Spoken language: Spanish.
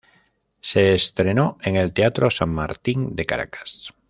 Se estrenó en el Teatro San Martín de Caracas.